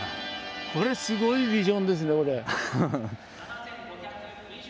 これすごいビジョンですねこれ。